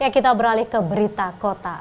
kita beralih ke berita kota